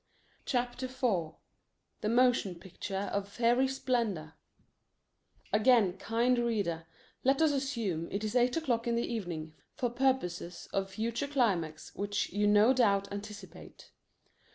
CHAPTER IV THE MOTION PICTURE OF FAIRY SPLENDOR Again, kind reader, let us assume it is eight o'clock in the evening, for purposes of future climax which you no doubt anticipate.